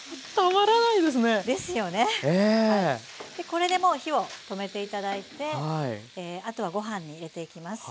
これでもう火を止めて頂いてあとはご飯に入れていきます。